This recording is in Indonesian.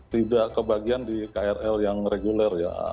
tidak kebagian di krl yang reguler ya